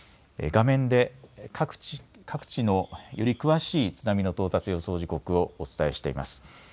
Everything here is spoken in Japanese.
画面で各地のより詳しい津波の到達予想時刻をお伝えしています。